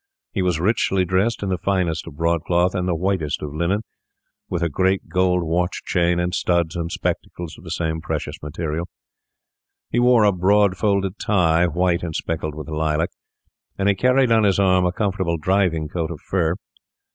He was richly dressed in the finest of broadcloth and the whitest of linen, with a great gold watch chain, and studs and spectacles of the same precious material. He wore a broad folded tie, white and speckled with lilac, and he carried on his arm a comfortable driving coat of fur.